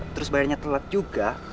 terus bayarnya telat juga